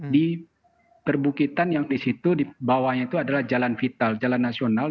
di perbukitan yang di situ di bawahnya itu adalah jalan vital jalan nasional